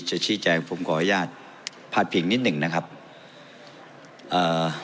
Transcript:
ชี้แจงผมขออนุญาตพาดพิงนิดหนึ่งนะครับเอ่อ